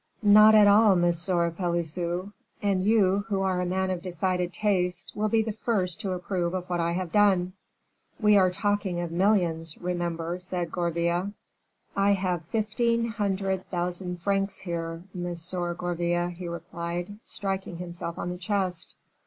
"Not at all, Monsieur Pelisson; and you, who are a man of decided taste, will be the first to approve of what I have done." "We are talking of millions, remember," said Gourville. "I have fifteen hundred thousand francs here, Monsieur Gourville," he replied, striking himself on the chest.